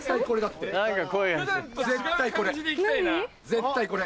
絶対これ。